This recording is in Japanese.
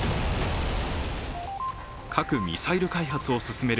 核・ミサイル開発を進める